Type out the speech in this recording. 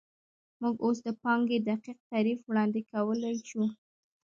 موږ اوس د پانګې دقیق تعریف وړاندې کولی شو